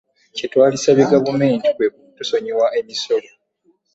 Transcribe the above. Kye twandisabye gavumenti kwe kutusonyiwa emisolo.